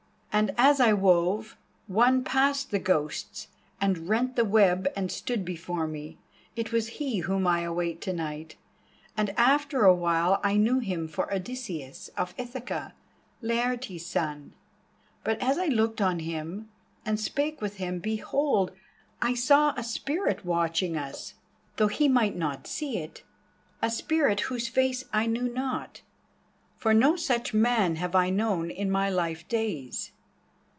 And as I wove, one passed the Ghosts and rent the web and stood before me. It was he whom I await to night, and after awhile I knew him for Odysseus of Ithaca, Laertes' son. But as I looked on him and spake with him, behold, I saw a spirit watching us, though he might not see it, a spirit whose face I knew not, for no such man have I known in my life days.